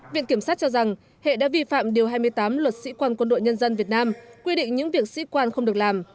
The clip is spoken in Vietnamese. viện kiểm sát cho rằng hệ đã vi phạm điều hai mươi tám luật sĩ quan quân đội nhân dân việt nam quy định những việc sĩ quan không được làm